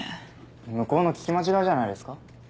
向こうの聞き間違いじゃないですか？